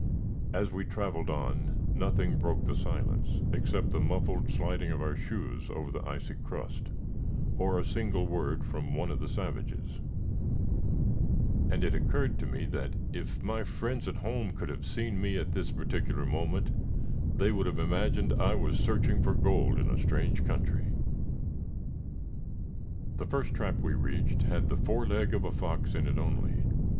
As we traveled on, nothing broke the silence, except the muffled sliding of our shoes over the icy crust, or a single word from one of the savages; and it occurred to me that if my friends at home could have seen me at this particular moment, they would have imagined I was searching for gold in a strange country. The first trap we reached had the fore leg of a fox in it only.